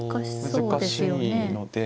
難しいので。